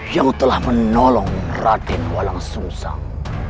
yang telah menolong raden walang sungsang